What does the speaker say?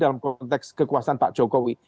dalam konteks kekuasaan pak jokowi